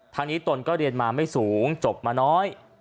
ทางนี้ตนก็เรียนมาไม่สูงจบมาน้อย